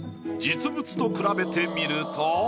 実物と比べてみると。